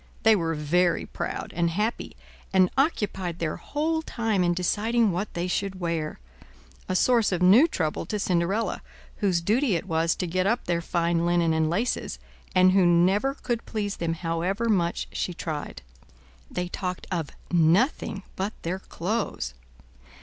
They were very proud and happy, and occupied their whole time in deciding what they should wear; a source of new trouble to Cinderella, whose duty it was to get up their fine linen and laces, and who never could please them however much she tried. They talked of nothing but their clothes.